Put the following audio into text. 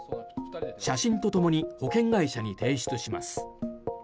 写真と共に保険会社に提出します。